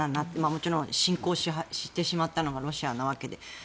もちろん侵攻してしまったのがロシアなわけで。